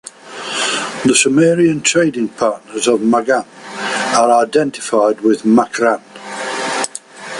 The Sumerian trading partners of Magan are identified with Makran.